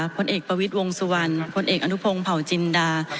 พลเอกประวิทย์วงสุวรรณพลเอกอนุพงศ์เผาจินดา